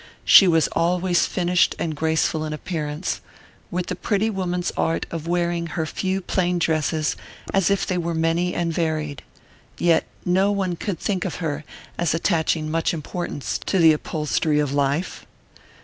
She was always finished and graceful in appearance, with the pretty woman's art of wearing her few plain dresses as if they were many and varied; yet no one could think of her as attaching much importance to the upholstery of life....